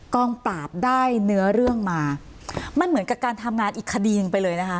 กองปราบได้เนื้อเรื่องมามันเหมือนกับการทำงานอีกคดีหนึ่งไปเลยนะคะ